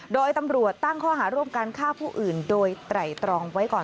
โดยตำรวจตั้งข้อหาร่วมการฆ่าผู้อื่นโดยไตรตรองไว้ก่อน